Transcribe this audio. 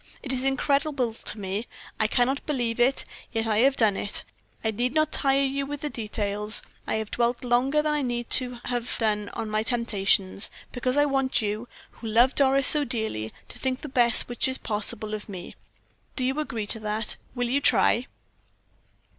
It is incredible to me, I cannot believe it; yet I have done it. I need not tire you with details. I have dwelt longer than I need have done on my temptations, because I want you, who love Doris so dearly, to think the best which is possible of me. Do you agree to that? Will you try?"